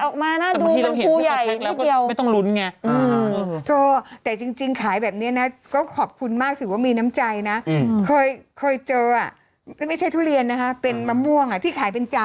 ขายทุเรียนเนี่ยเจ้าหมอนทองนี่แหละ